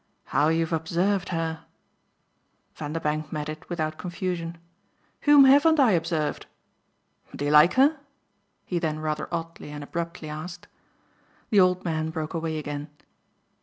"How you've observed her!" Vanderbank met it without confusion. "Whom haven't I observed? Do you like her?" he then rather oddly and abruptly asked. The old man broke away again.